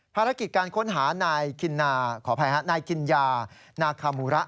ภารกิจการค้นหานายกินยานาคามูระ